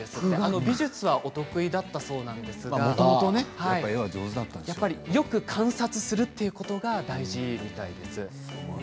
美術は得意だったそうなんですけれどよく観察するということが大事なんだそうです。